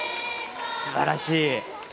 すばらしい。